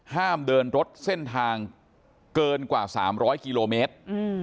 ห้ามเดินรถเส้นทางเกินกว่า๓๐๐กิโลเมตร